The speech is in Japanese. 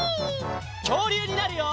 きょうりゅうになるよ！